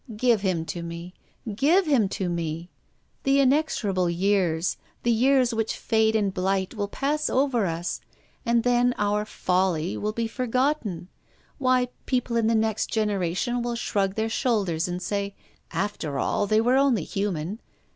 Give him to me, give him to me. .. The inexorable years — the years which fade and blight — will pass over us, and then our ' folly' will be forgotten. Why, people in the next generation will shrug their shoulders and say, * After all, they were only human.'